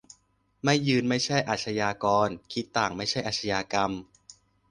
"ไม่ยืนไม่ใช่อาชญากร คิดต่างไม่ใช่อาชญากรรม"